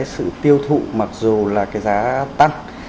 sự tiêu thụ mặc dù là cái giá tăng